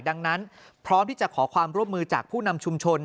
ดังนั้นพร้อมที่จะขอความร่วมมือจากผู้นำชุมชน